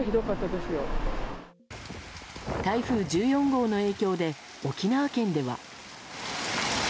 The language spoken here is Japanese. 台風１４号の影響で沖縄県では。